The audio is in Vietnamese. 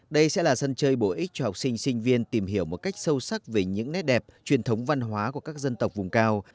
đây sẽ là sân chơi bổ ích cho học sinh sinh viên tìm hiểu một cách sâu sắc về những nét đẹp truyền thống văn hóa của các dân tộc vùng cao